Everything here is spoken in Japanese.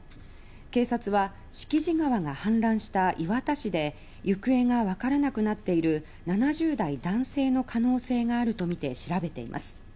警察は敷地川が氾濫した磐田市で行方がわからなくなっている７０代男性の可能性があるとみて調べています。